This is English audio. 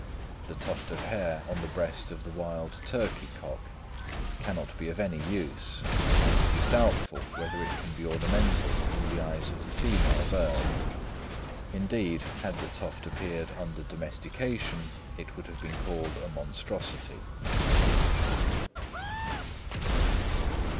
The tuft of hair on the breast of the wild turkey cock cannot be of any use, and it is doubtful whether it can be ornamental in the eyes of the female bird; indeed, had the tuft appeared under domestication it would have been called a monstrosity.